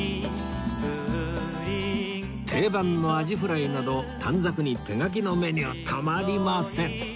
定番のあじフライなど短冊に手書きのメニューたまりません！